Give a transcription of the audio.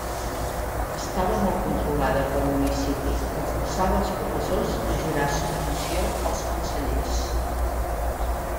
Estava molt controlada pel municipi que forçava els professors a jurar submissió als consellers.